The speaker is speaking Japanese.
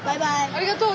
ありがとう。